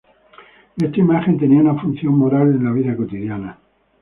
Esta imagen tenía una función moral en la vida cotidiana.